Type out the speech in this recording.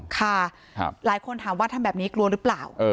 ค่ะหลายคนถามว่าทำแบบนี้กลัวหรือเปล่า